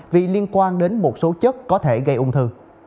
vì liên quan đến một số chất có thể gây ung thư